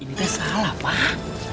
ini teh salah pak